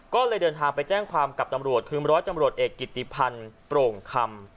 ก็เลยเดินทางไปแจ้งความกับตำรวจคือร้อยตำรวจเอกกิติพันธ์โปร่งคำ